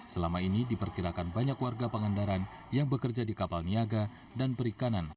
selama ini diperkirakan banyak warga pangandaran yang bekerja di kapal niaga dan perikanan